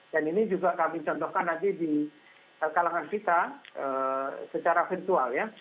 dan ini juga kami contohkan lagi di kalangan kita secara virtual ya